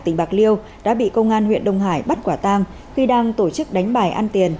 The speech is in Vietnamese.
tỉnh bạc liêu đã bị công an huyện đông hải bắt quả tang khi đang tổ chức đánh bài ăn tiền